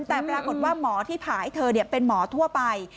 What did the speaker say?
แต่ปรากฏว่าหมอที่ผ่าให้เธอเป็นหมอทั่วไป